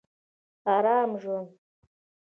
ارام ژوند